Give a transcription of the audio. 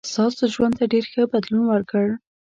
ستاسو ژوند ته ډېر ښه بدلون ورکړ.